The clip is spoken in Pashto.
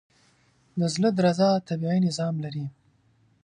د زړه درزا طبیعي نظام لري.